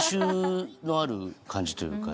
哀愁のある感じというか。